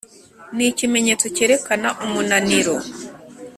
ni ikimenyetso cyerekana umunaniro